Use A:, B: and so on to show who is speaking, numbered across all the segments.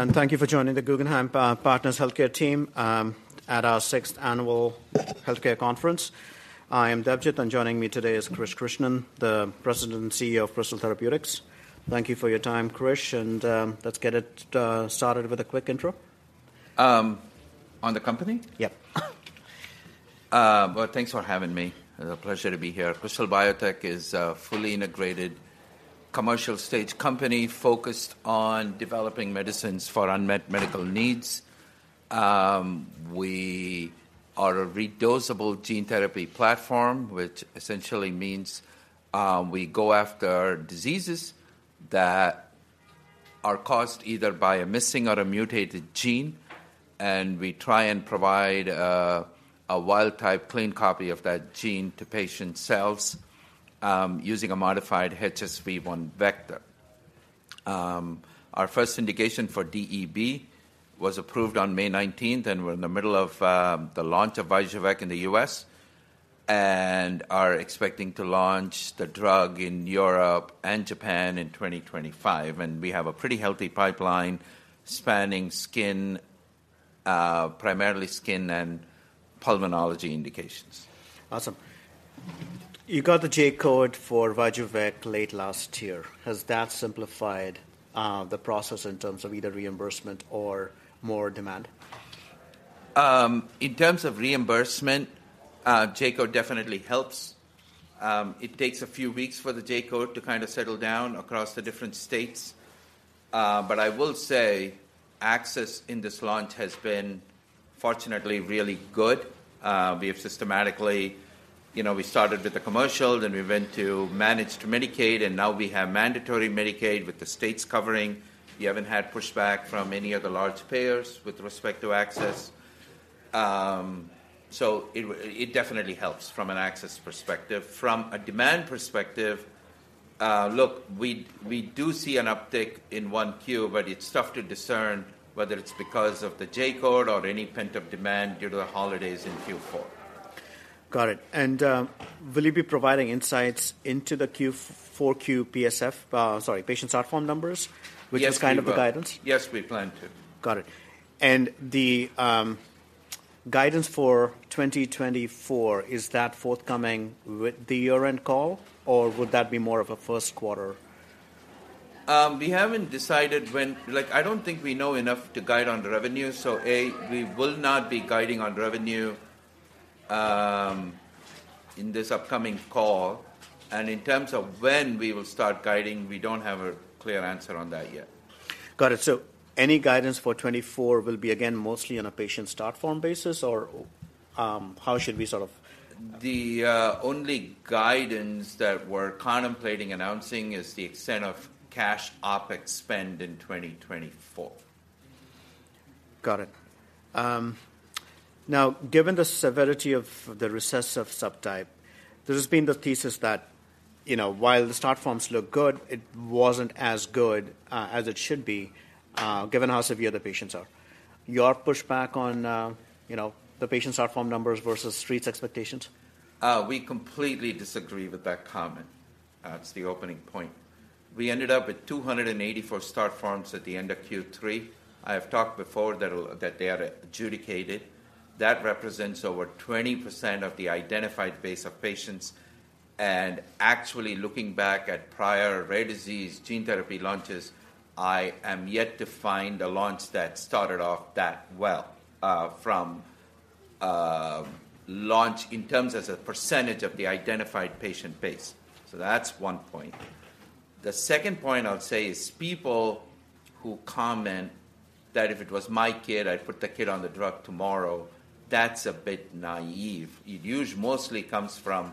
A: And thank you for joining the Guggenheim Partners Healthcare Team at our sixth annual healthcare conference. I am Debjit, and joining me today is Krish Krishnan, the President and CEO of Krystal Biotech. Thank you for your time, Krish, and let's get it started with a quick intro.
B: On the company?
A: Yeah.
B: Well, thanks for having me. It's a pleasure to be here. Krystal Biotech is a fully integrated commercial-stage company focused on developing medicines for unmet medical needs. We are a redosable gene therapy platform, which essentially means we go after diseases that are caused either by a missing or a mutated gene, and we try and provide a wild-type, clean copy of that gene to patient cells using a modified HSV-1 vector. Our first indication for DEB was approved on May nineteenth, and we're in the middle of the launch of VYJUVEK in the U.S., and are expecting to launch the drug in Europe and Japan in 2025. We have a pretty healthy pipeline spanning skin, primarily skin and pulmonology indications.
A: Awesome. You got the J-code for VYJUVEK late last year. Has that simplified the process in terms of either reimbursement or more demand?
B: In terms of reimbursement, J-code definitely helps. It takes a few weeks for the J-code to kind of settle down across the different states. But I will say, access in this launch has been fortunately really good. We have systematically. You know, we started with the commercial, then we went to managed Medicaid, and now we have mandatory Medicaid with the states covering. We haven't had pushback from any of the large payers with respect to access. So it definitely helps from an access perspective. From a demand perspective, look, we do see an uptick in Q1, but it's tough to discern whether it's because of the J-code or any pent-up demand due to the holidays in Q4.
A: Got it. And will you be providing insights into the Q4 PSF, sorry, patient start form numbers?
B: Yes, we will.
A: Which is kind of the guidance?
B: Yes, we plan to.
A: Got it. And the guidance for 2024, is that forthcoming with the year-end call, or would that be more of a first quarter?
B: We haven't decided when. Like, I don't think we know enough to guide on the revenue, so A, we will not be guiding on revenue in this upcoming call. And in terms of when we will start guiding, we don't have a clear answer on that yet.
A: Got it. So any guidance for 2024 will be, again, mostly on a Patient Start Form basis, or, how should we sort of-
B: The only guidance that we're contemplating announcing is the extent of cash OpEx spend in 2024.
A: Got it. Now, given the severity of the recessive subtype, this has been the thesis that, you know, while the start forms look good, it wasn't as good as it should be, given how severe the patients are. Your pushback on, you know, the patient start form numbers versus Street's expectations?
B: We completely disagree with that comment. It's the opening point. We ended up with 284 start forms at the end of Q3. I have talked before that, that they are adjudicated. That represents over 20% of the identified base of patients, and actually looking back at prior rare disease gene therapy launches, I am yet to find a launch that started off that well, from, launch in terms as a percentage of the identified patient base. So that's one point. The second point I would say is, people who comment that, "If it was my kid, I'd put the kid on the drug tomorrow," that's a bit naive. Mostly comes from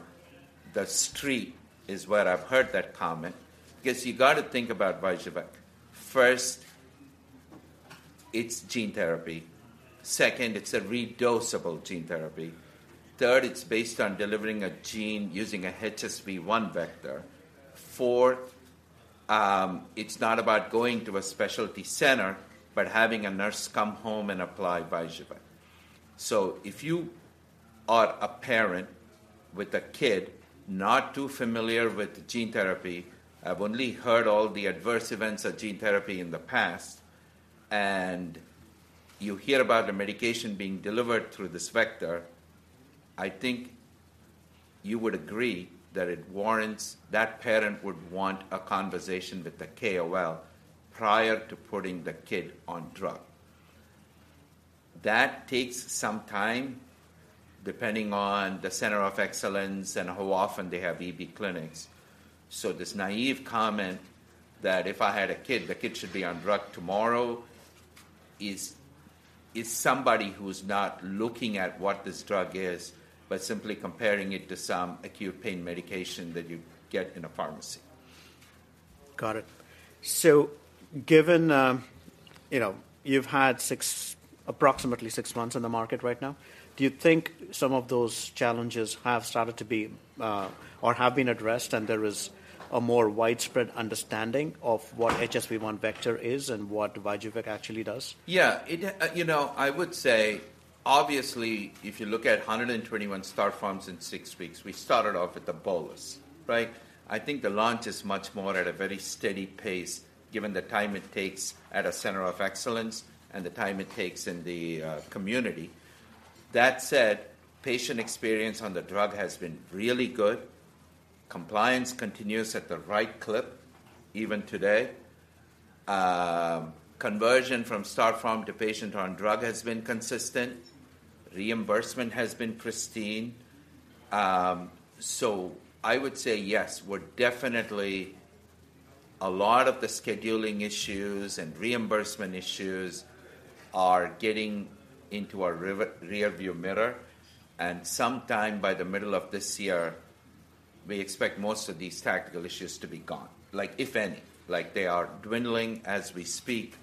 B: the street, is where I've heard that comment, 'cause you got to think about VYJUVEK. First, it's gene therapy. Second, it's a redosable gene therapy. Third, it's based on delivering a gene using a HSV-1 vector. Fourth, it's not about going to a specialty center, but having a nurse come home and apply VYJUVEK. So if you are a parent with a kid, not too familiar with the gene therapy, I've only heard all the adverse events of gene therapy in the past, and you hear about a medication being delivered through this vector, I think you would agree that it warrants that parent would want a conversation with the KOL prior to putting the kid on drug. That takes some time, depending on the Center of Excellence and how often they have EB clinics. So this naive comment that, "If I had a kid, the kid should be on drug tomorrow," is somebody who's not looking at what this drug is, but simply comparing it to some acute pain medication that you get in a pharmacy.
A: Got it. So given, you know, you've had approximately six months on the market right now, do you think some of those challenges have started to be, or have been addressed, and there is a more widespread understanding of what HSV-1 vector is and what VYJUVEK actually does?
B: Yeah. It, you know, I would say obviously, if you look at 121 start forms in six weeks, we started off with a bolus, right? I think the launch is much more at a very steady pace, given the time it takes at a Center of Excellence and the time it takes in the community. That said, patient experience on the drug has been really good. Compliance continues at the right clip, even today. Conversion from start form to patient on drug has been consistent. Reimbursement has been pristine. So I would say yes, we're definitely a lot of the scheduling issues and reimbursement issues are getting into our rearview mirror, and sometime by the middle of this year, we expect most of these tactical issues to be gone. Like, if any. Like, they are dwindling as we speak,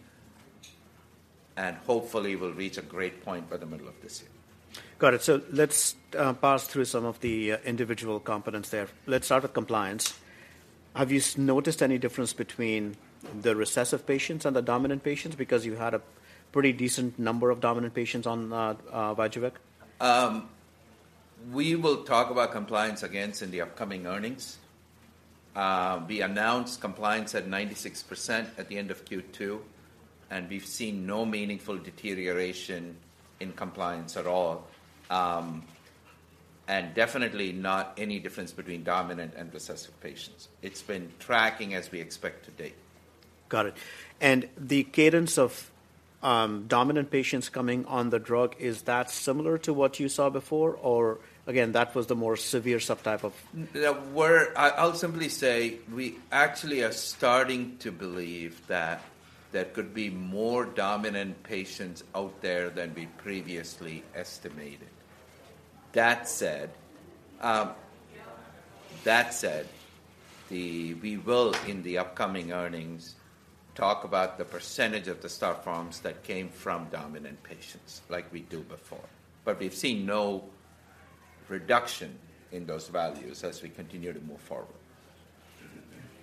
B: and hopefully, we'll reach a great point by the middle of this year.
A: Got it. Let's pass through some of the individual components there. Let's start with compliance. Have you noticed any difference between the recessive patients and the dominant patients? Because you had a pretty decent number of dominant patients on VYJUVEK.
B: We will talk about compliance again in the upcoming earnings. We announced compliance at 96% at the end of Q2, and we've seen no meaningful deterioration in compliance at all, and definitely not any difference between dominant and recessive patients. It's been tracking as we expect to date.
A: Got it. And the cadence of dominant patients coming on the drug, is that similar to what you saw before? Or again, that was the more severe subtype of-
B: I'll simply say, we actually are starting to believe that there could be more dominant patients out there than we previously estimated. That said, we will, in the upcoming earnings, talk about the percentage of the start forms that came from dominant patients, like we do before. But we've seen no reduction in those values as we continue to move forward.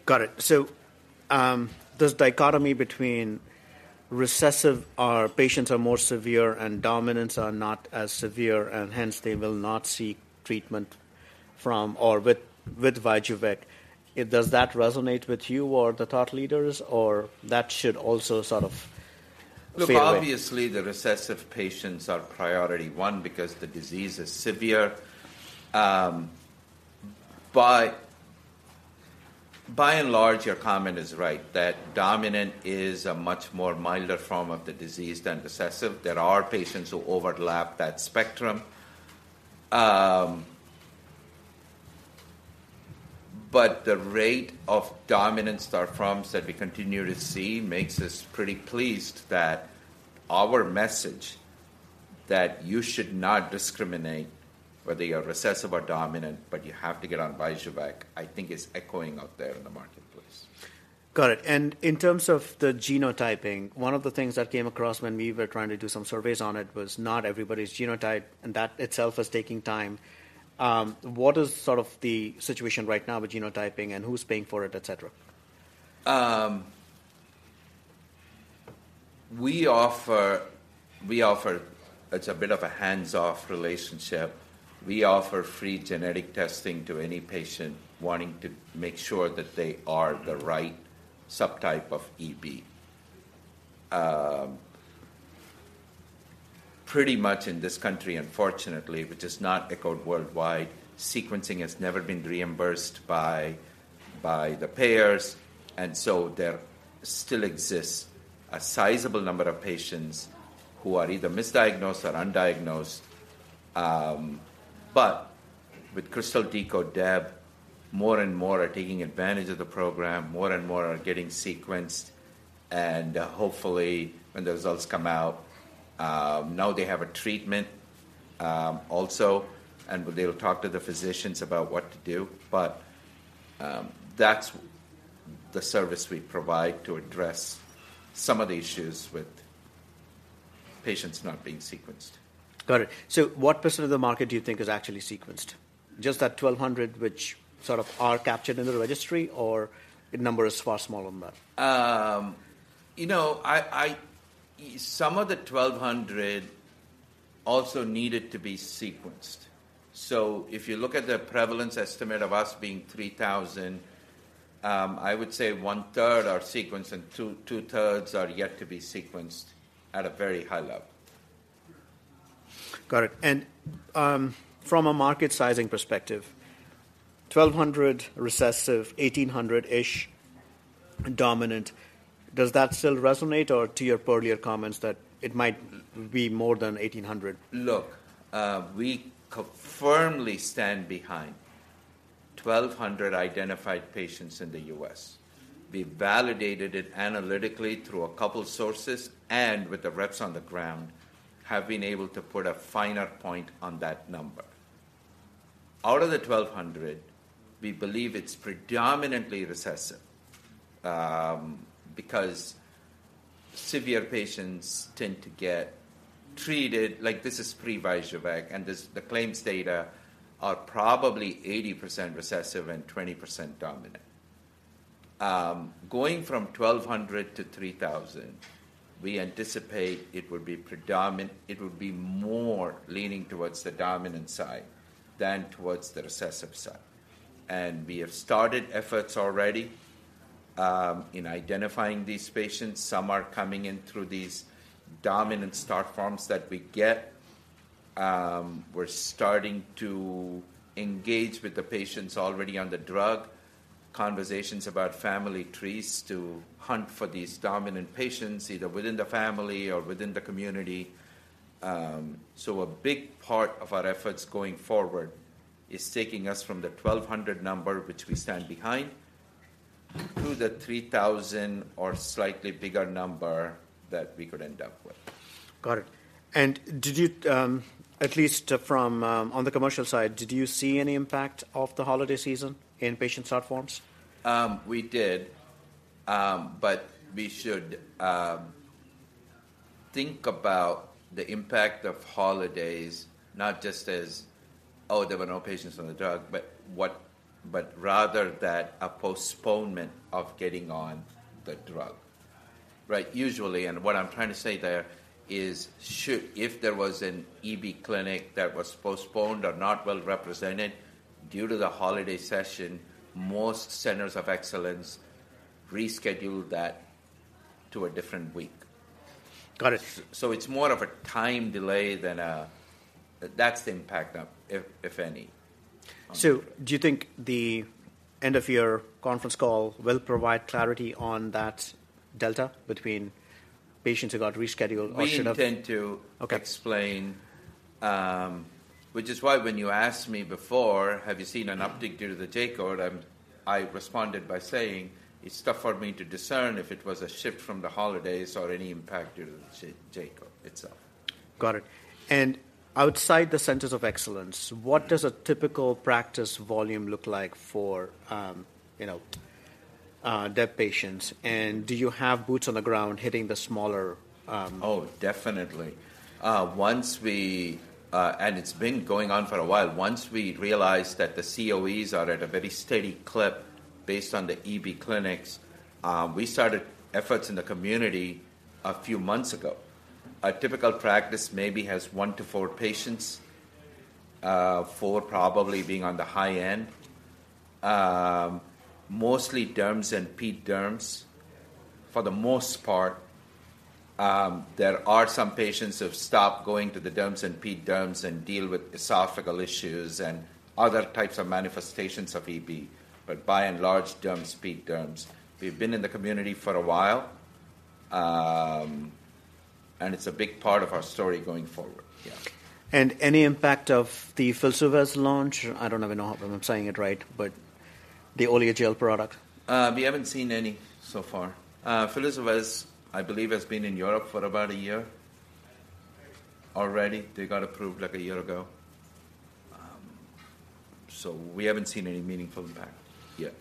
A: Got it. So, this dichotomy between recessive patients are more severe and dominants are not as severe, and hence, they will not seek treatment from or with, with VYJUVEK. Does that resonate with you or the thought leaders, or that should also sort of fade away?
B: Look, obviously, the recessive patients are priority one because the disease is severe. But by and large, your comment is right, that dominant is a much more milder form of the disease than recessive. There are patients who overlap that spectrum. But the rate of dominant start forms that we continue to see makes us pretty pleased that our message, that you should not discriminate whether you're recessive or dominant, but you have to get on VYJUVEK, I think is echoing out there in the marketplace.
A: Got it. And in terms of the genotyping, one of the things that came across when we were trying to do some surveys on it was not everybody's genotype, and that itself was taking time. What is sort of the situation right now with genotyping, and who's paying for it, etc.?
B: It's a bit of a hands-off relationship. We offer free genetic testing to any patient wanting to make sure that they are the right subtype of EB. Pretty much in this country, unfortunately, which is not echoed worldwide, sequencing has never been reimbursed by the payers, and so there still exists a sizable number of patients who are either misdiagnosed or undiagnosed. But with Krystal Decode, more and more are taking advantage of the program, more and more are getting sequenced, and hopefully, when the results come out, now they have a treatment also, and they will talk to the physicians about what to do. But that's the service we provide to address some of the issues with patients not being sequenced.
A: Got it. So what % of the market do you think is actually sequenced? Just that 1,200, which sort of are captured in the registry, or the number is far smaller than that?
B: You know, some of the 1,200 also needed to be sequenced. So if you look at the prevalence estimate of us being 3,000, I would say one-third are sequenced, and two-thirds are yet to be sequenced at a very high level.
A: Got it. And, from a market sizing perspective, 1,200 recessive, 1,800-ish dominant, does that still resonate, or to your earlier comments, that it might be more than 1,800?
B: Look, we firmly stand behind 1,200 identified patients in the U.S. We validated it analytically through a couple of sources, and with the reps on the ground, have been able to put a finer point on that number. Out of the 1,200, we believe it's predominantly recessive, because severe patients tend to get treated, like, this is pre-VYJUVEK, and the claims data are probably 80% recessive and 20% dominant. Going from 1,200 to 3,000, we anticipate it would be predominant, it would be more leaning towards the dominant side than towards the recessive side. And we have started efforts already, in identifying these patients. Some are coming in through these dominant start forms that we get. We're starting to engage with the patients already on the drug, conversations about family trees to hunt for these dominant patients, either within the family or within the community. A big part of our efforts going forward is taking us from the 1,200 number, which we stand behind, to the 3,000 or slightly bigger number that we could end up with.
A: Got it. And did you, at least from, on the commercial side, did you see any impact of the holiday season in patient start forms?
B: We did. But we should think about the impact of holidays, not just as, oh, there were no patients on the drug, but rather that a postponement of getting on the drug, right? Usually, and what I'm trying to say there is if there was an EB clinic that was postponed or not well represented due to the holiday session, most Centers of Excellence reschedule that to a different week.
A: Got it.
B: So it's more of a time delay than a... That's the impact of, if any.
A: Do you think the end of your conference call will provide clarity on that delta between patients who got rescheduled or should have?
B: We intend to-
A: Okay.
B: explain, which is why when you asked me before, "Have you seen an uptick due to the J-code?" I responded by saying, "It's tough for me to discern if it was a shift from the holidays or any impact due to the J-code itself.
A: Got it. Outside the Centers of Excellence-
B: Mm.
A: -What does a typical practice volume look like for, you know, DEB patients? And do you have boots on the ground hitting the smaller,
B: Oh, definitely. It's been going on for a while. Once we realized that the COEs are at a very steady clip based on the EB clinics, we started efforts in the community a few months ago. A typical practice maybe has 1-4 patients, 4 probably being on the high end. Mostly derms and peds derms, for the most part. There are some patients who've stopped going to the derms and peds derms and deal with esophageal issues and other types of manifestations of EB, but by and large, derms, peds derms. We've been in the community for a while, and it's a big part of our story going forward. Yeah.
A: Any impact of the Filsuvez launch? I don't even know if I'm saying it right, but the oleogel product.
B: We haven't seen any so far. Filsuvez, I believe, has been in Europe for about a year already. They got approved, like, a year ago. So we haven't seen any meaningful impact yet.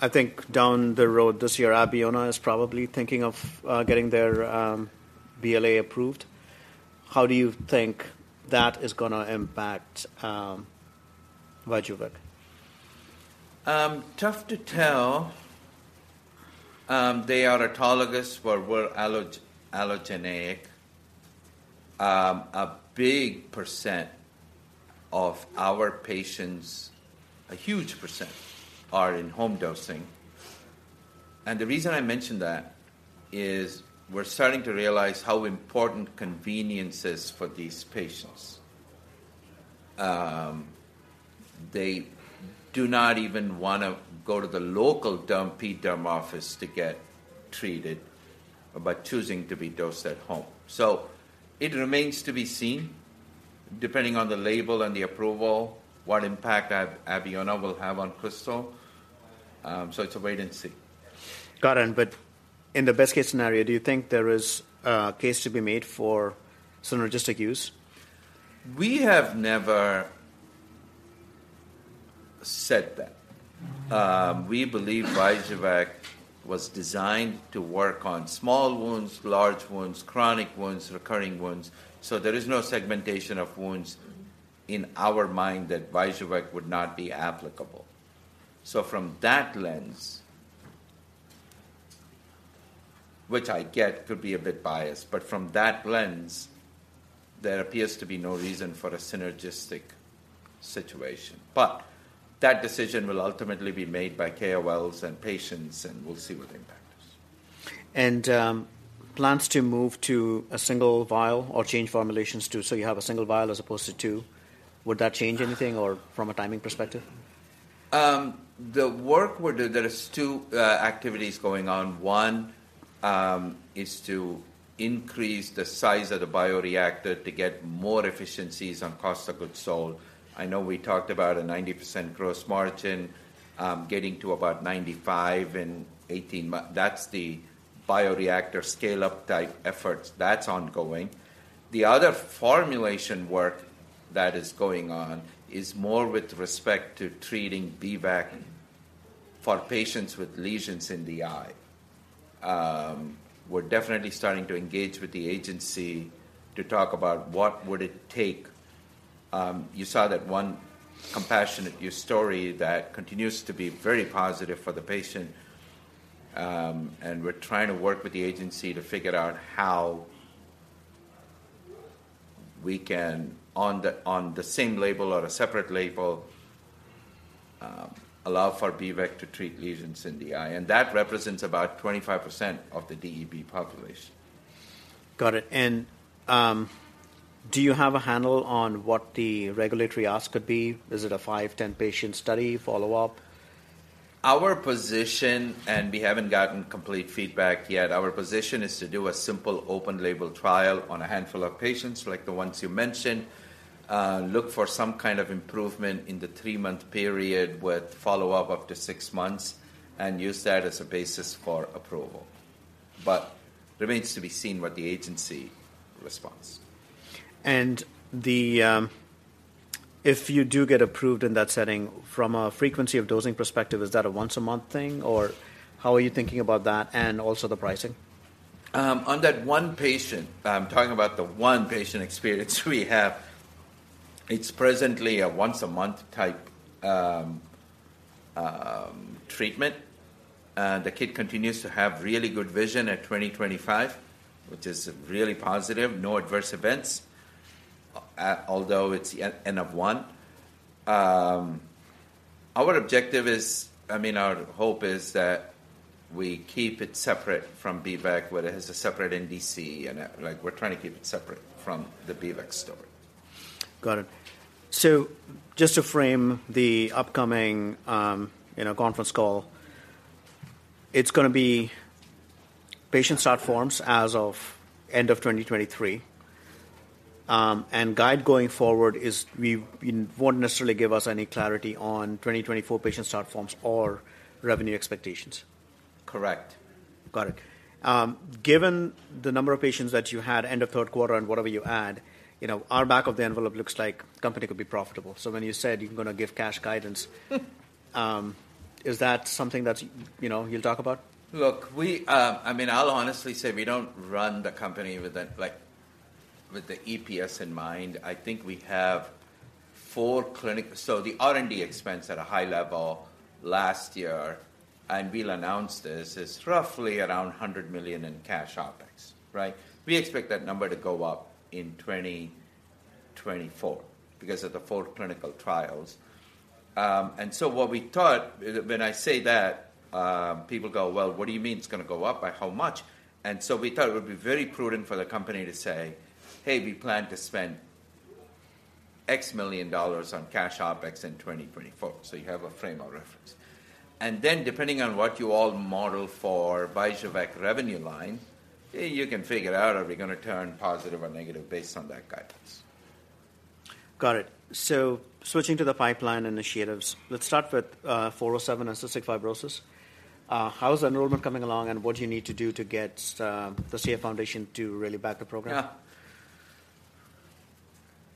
A: I think down the road this year, Abeona is probably thinking of getting their BLA approved. How do you think that is gonna impact VYJUVEK?
B: Tough to tell. They are autologous, but we're allogeneic. A big percent of our patients, a huge percent, are in home dosing. And the reason I mention that is we're starting to realize how important convenience is for these patients. They do not even want to go to the local derm, peds derm office to get treated by choosing to be dosed at home. So it remains to be seen, depending on the label and the approval, what impact Abeona will have on Krystal. So it's a wait-and-see.
A: Got it, but in the best-case scenario, do you think there is a case to be made for synergistic use?
B: We have never said that. We believe VYJUVEK was designed to work on small wounds, large wounds, chronic wounds, recurring wounds. So there is no segmentation of wounds in our mind that VYJUVEK would not be applicable. So from that lens, which I get could be a bit biased, but from that lens, there appears to be no reason for a synergistic situation. But that decision will ultimately be made by KOLs and patients, and we'll see what impact us.
A: plans to move to a single vial or change formulations to, so you have a single vial as opposed to two, would that change anything or from a timing perspective?
B: The work we're doing, there is 2 activities going on. One is to increase the size of the bioreactor to get more efficiencies on cost of goods sold. I know we talked about a 90% gross margin, getting to about 95% in 18 months. That's the bioreactor scale-up type efforts, that's ongoing. The other formulation work that is going on is more with respect to treating with B-VEC for patients with lesions in the eye... we're definitely starting to engage with the agency to talk about what would it take. You saw that one compassionate use story that continues to be very positive for the patient, and we're trying to work with the agency to figure out how we can, on the, on the same label or a separate label, allow for B-VEC to treat lesions in the eye. That represents about 25% of the DEB population.
A: Got it. Do you have a handle on what the regulatory ask could be? Is it a 5-10-patient study follow-up?
B: Our position, and we haven't gotten complete feedback yet, our position is to do a simple open label trial on a handful of patients, like the ones you mentioned. Look for some kind of improvement in the 3-month period, with follow-up after 6 months, and use that as a basis for approval. But remains to be seen what the agency responds.
A: If you do get approved in that setting, from a frequency of dosing perspective, is that a once-a-month thing, or how are you thinking about that, and also the pricing?
B: On that one patient, I'm talking about the one patient experience we have, it's presently a once-a-month type treatment, and the kid continues to have really good vision at 20/25, which is really positive. No adverse events, although it's N-of-1. Our objective is—I mean, our hope is that we keep it separate from B-VEC, where it has a separate NDC, and, like, we're trying to keep it separate from the B-VEC story.
A: Got it. So just to frame the upcoming, you know, conference call, it's gonna be patient start forms as of end of 2023. And guide going forward is we won't necessarily give us any clarity on 2024 patient start forms or revenue expectations.
B: Correct.
A: Got it. Given the number of patients that you had end of third quarter and whatever you add, you know, our back of the envelope looks like the company could be profitable. So when you said you're gonna give cash guidance, is that something that, you know, you'll talk about?
B: Look, we, I mean, I'll honestly say we don't run the company with the, like, with the EPS in mind. I think we have four clinical trials. So the R&D expense at a high level last year, and we'll announce this, is roughly around $100 million in cash OpEx, right? We expect that number to go up in 2024 because of the four clinical trials. And so what we thought, when I say that, people go, "Well, what do you mean it's gonna go up? By how much?" And so we thought it would be very prudent for the company to say, "Hey, we plan to spend $X million on cash OpEx in 2024." So you have a frame of reference. And then, depending on what you all model for VYJUVEK revenue line, you can figure out, are we gonna turn positive or negative based on that guidance?
A: Got it. So switching to the pipeline initiatives, let's start with 407 and cystic fibrosis. How's the enrollment coming along, and what do you need to do to get the CF Foundation to really back the program?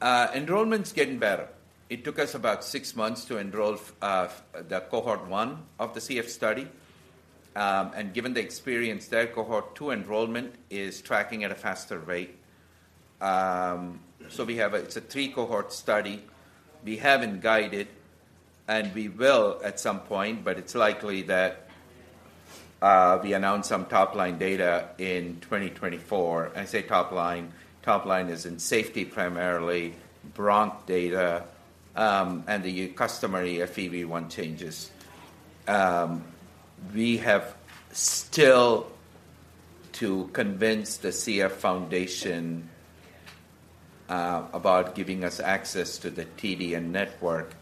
B: Yeah. Enrollment's getting better. It took us about six months to enroll the cohort one of the CF study. And given the experience there, cohort two enrollment is tracking at a faster rate. So we have. It's a three-cohort study. We haven't guided, and we will at some point, but it's likely that we announce some top-line data in 2024. I say top line, top line is in safety, primarily bronch data, and the customary FEV1 changes. We have still to convince the CF Foundation about giving us access to the TDN network,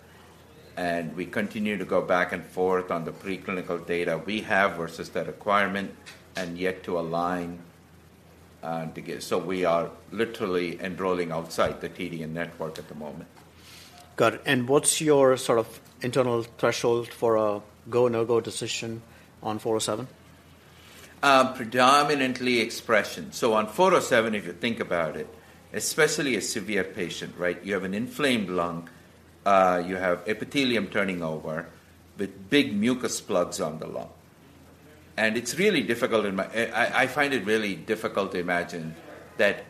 B: and we continue to go back and forth on the preclinical data we have versus the requirement and yet to align to get. So we are literally enrolling outside the TDN network at the moment.
A: Got it. And what's your sort of internal threshold for a go, no-go decision on 407?
B: Predominantly expression. So on 407, if you think about it, especially a severe patient, right? You have an inflamed lung, you have epithelium turning over, with big mucus plugs on the lung. And it's really difficult in my-- I find it really difficult to imagine that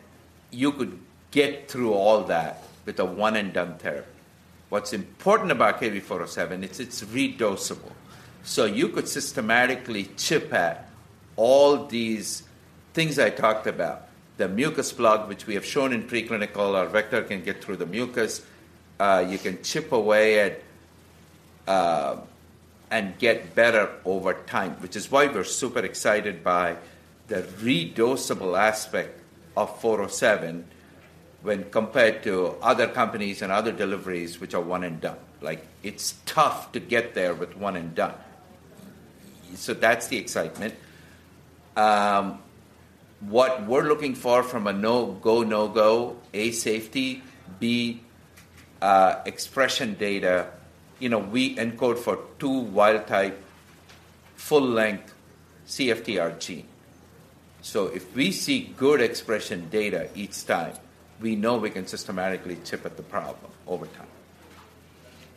B: you could get through all that with a one-and-done therapy. What's important about KB407, it's redosable. So you could systematically chip at all these things I talked about, the mucus plug, which we have shown in preclinical, our vector can get through the mucus. You can chip away at, and get better over time, which is why we're super excited by the redosable aspect of 407 when compared to other companies and other deliveries, which are one and done. Like, it's tough to get there with one and done. So that's the excitement. What we're looking for from a go, no-go, A, safety, B, expression data, you know, we encode for two wild-type, full-length CFTR gene. So if we see good expression data each time, we know we can systematically chip at the problem over time.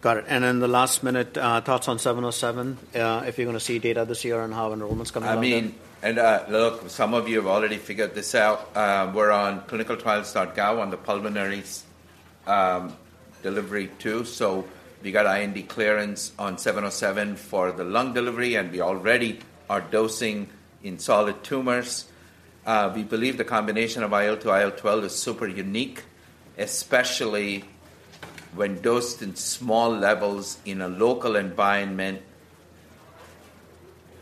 A: Got it. And then the last-minute thoughts on 707, if you're gonna see data this year and how enrollment is coming up?
B: I mean, and look, some of you have already figured this out. We're on clinicaltrials.gov on the pulmonary delivery too. So we got IND clearance on 707 for the lung delivery, and we already are dosing in solid tumors. We believe the combination of IL-2/IL-12 is super unique, especially when dosed in small levels in a local environment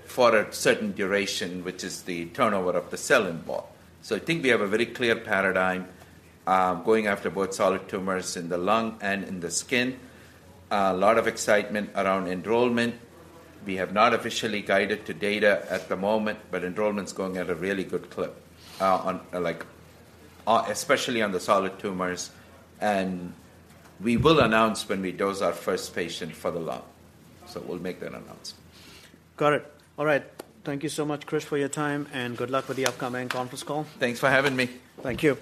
B: for a certain duration, which is the turnover of the cell involved. So I think we have a very clear paradigm going after both solid tumors in the lung and in the skin. A lot of excitement around enrollment. We have not officially guided to data at the moment, but enrollment is going at a really good clip, on, like, especially on the solid tumors. We will announce when we dose our first patient for the lung, so we'll make that announcement.
A: Got it. All right. Thank you so much, Krish, for your time, and good luck with the upcoming conference call.
B: Thanks for having me.
A: Thank you.